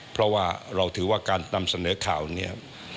เพราะว่าเราถือว่าการนำเสนอข่าวเนี่ย